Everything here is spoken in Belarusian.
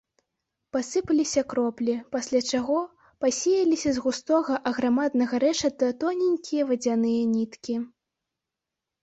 Пасыпаліся кроплі, пасля чаго пасеяліся з густога аграмаднага рэшата тоненькія вадзяныя ніткі.